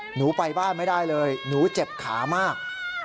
หนูไปบ้านไม่ได้เลยหนูเจ็บขามาก